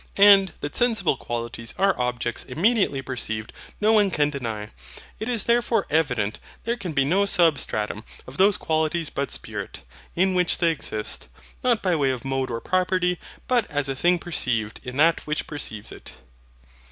And that sensible qualities are objects immediately perceived no one can deny. It is therefore evident there can be no SUBSTRATUM of those qualities but spirit; in which they exist, not by way of mode or property, but as a thing perceived in that which perceives it.